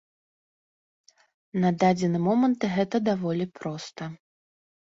На дадзены момант гэта даволі проста.